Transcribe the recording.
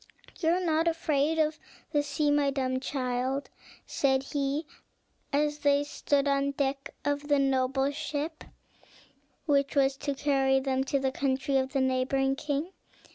"You are not afraid of the sea, my dumb child," said he, as they stood on the deck of the noble ship which was to carry them to the country of the neighboring king.